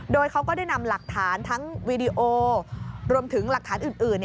โดยเขาก็ได้นำหลักฐานทั้งวีดีโอรวมถึงหลักฐานอื่น